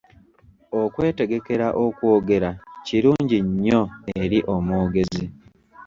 Okwetegekera okwogera kirungi nnyo eri omwogezi.